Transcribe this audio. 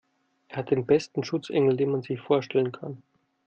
Er hat den besten Schutzengel, den man sich vorstellen kann.